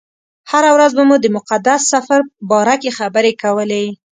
هره ورځ به مو د مقدس سفر باره کې خبرې کولې.